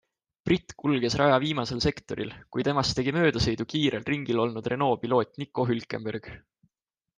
Britt kulges raja viimasel sektoril, kui temast tegi möödasõidu kiirel ringil olnud Renault' piloot Nico Hülkenberg.